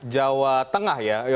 jawa tengah ya